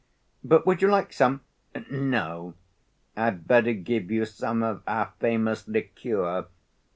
But would you like some? No; I'd better give you some of our famous liqueur.